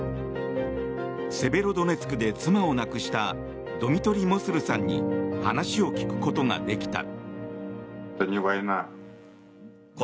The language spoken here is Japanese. セベロドネツクで妻を失ったドミトリ・モスルさんに話を聞くことができた。